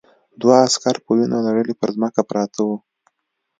دوه عسکر په وینو لړلي پر ځمکه پراته وو